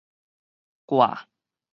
掛